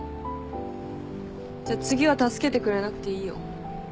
じゃあ次は助けてくれなくていいよ。